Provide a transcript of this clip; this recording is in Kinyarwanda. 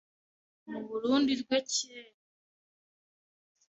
Mu Burunndi rwe kere,